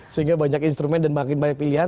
sehingga banyak instrumen dan makin banyak pilihan